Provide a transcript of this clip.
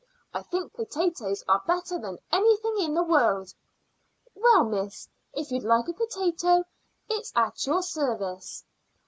I think potatoes are better than anything in the world." "Well, miss, if you'd like a potato it's at your service."